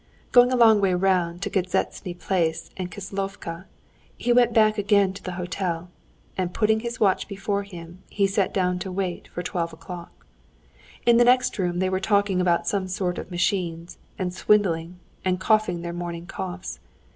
Going a long way round by Gazetny Place and Kislovka, he went back again to the hotel, and putting his watch before him, he sat down to wait for twelve o'clock. In the next room they were talking about some sort of machines, and swindling, and coughing their morning coughs.